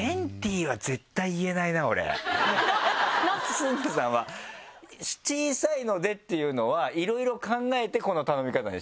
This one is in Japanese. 崇勲さんは「小さいので」っていうのはいろいろ考えてこの頼み方にしたんですか？